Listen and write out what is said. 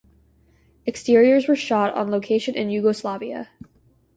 Exteriors were shot on location in Yugoslavia.